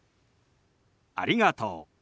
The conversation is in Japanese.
「ありがとう」。